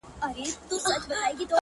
ما يې اوږده غمونه لنډي خوښۍ نه غوښتې،